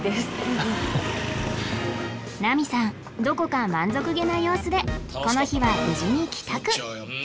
ナミさんどこか満足げな様子でこの日は無事に帰宅